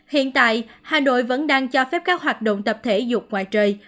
hiện tại hà nội vẫn đang cho phép các hoạt động tập thể dục ngoài trời